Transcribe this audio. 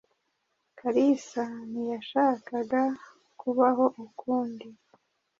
Kalisa ntiyashakaga kubaho ukundi.